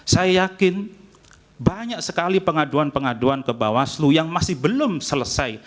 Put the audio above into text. saya yakin banyak sekali pengaduan pengaduan ke bawaslu yang masih belum selesai